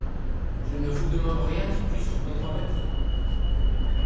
Je ne vous demande rien qui puisse vous compromettre.